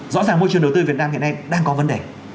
rõ ràng môi trường đầu tư việt nam hiện nay đang có vấn đề